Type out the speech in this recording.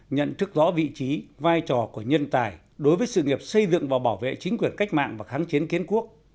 nhận thức rõ vị trí vai trò của nhân tài đối với sự nghiệp xây dựng và bảo vệ chính quyền cách mạng và kháng chiến kiến quốc